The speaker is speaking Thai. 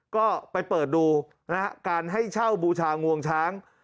ก็ไปเปิดดูนะฮะการให้เช่าบูชางวงช้าง